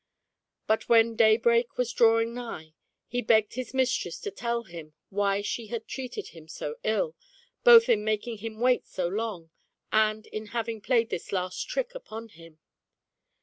But when daybreak was drawing nigh, he begged his mistress to tell him why she had treated him so ill, both in making him wait so long, and in having played this last trick upon him.